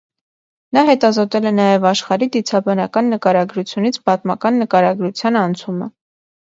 Նա հետազոտել է նաև աշխարհի դիցաբանական նկարագրությունից պատմական նկարագրության անցումը։